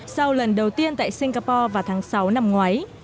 sau lần đầu tiên tại singapore vào tháng sáu năm ngoái